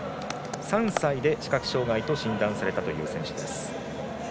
３歳で視覚障がいと診断されたという選手です。